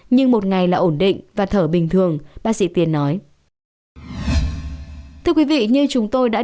nhưng một ngày là ổn định và thở bình thường bác sĩ tiên nói